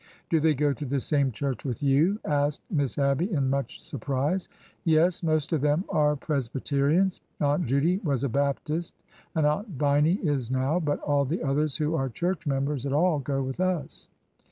Do they go to the same church with you ?" asked Miss Abby, in much surprise. Yes, most of them are Presbyterians. Aunt Judy was a Baptist, and Aunt Viny is now, but all the others who are church members at all go with us.